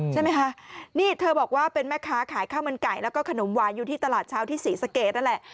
ใช่ไหมคะนี่เธอบอกว่าเป็นแม่ค้าขายข้าวมันไก่แล้วก็ขนมหวานอยู่ที่ตลาดเช้าที่ศรีสะเกดนั่นแหละ